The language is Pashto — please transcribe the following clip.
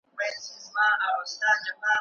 استاد د څيړني دقت مهم ګڼي.